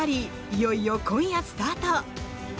いよいよ今夜スタート！